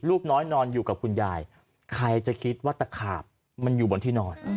ลูกน้อยนอนอยู่กับคุณยายใครจะคิดว่าตะขาบมันอยู่บนที่นอน